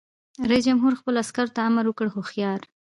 رئیس جمهور خپلو عسکرو ته امر وکړ؛ هوښیار!